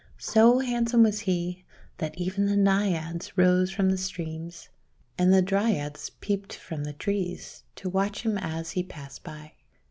So handsome was he that even the Naiads rose from the streams, and the Dryads peeped from the trees, to watch him as he passed by.